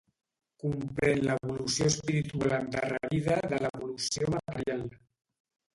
Comprén l'evolució espiritual endarrerida de l'evolució material.